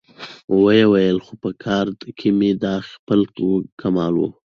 ويې ويل: خو په ګارد کې مې دا خپل کمال و.